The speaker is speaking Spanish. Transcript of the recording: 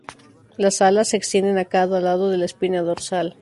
Las "alas" se extienden a cada lado de la espina dorsal.